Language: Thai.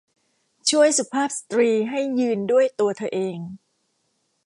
ช่วยสุภาพสตรีให้ยืนด้วยตัวเธอเอง